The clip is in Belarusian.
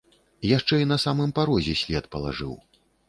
Яшчэ і на самым парозе след палажыў.